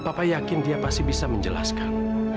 papa yakin dia pasti bisa menjelaskan